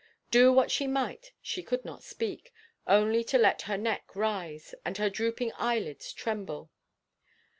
Do what she might she could not speak, only to let her neck rise, and her drooping eyelids tremble.